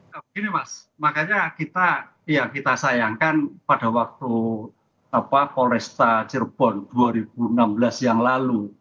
begini mas makanya kita ya kita sayangkan pada waktu polresta cirebon dua ribu enam belas yang lalu